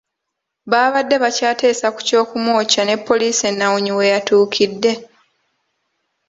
Baabadde bakyateesa ku ky’okumwokya ne poliisi ennawunyi we yatuukidde